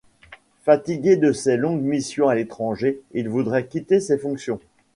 Fatigué de ses longues missions à l'étranger, il voudrait quitter ses fonctions.